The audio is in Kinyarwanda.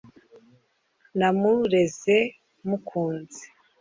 namureze mukunze